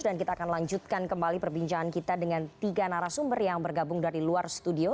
kita akan lanjutkan kembali perbincangan kita dengan tiga narasumber yang bergabung dari luar studio